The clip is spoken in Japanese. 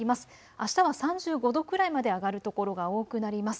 あしたは３５度くらいまで上がる所が多くなります。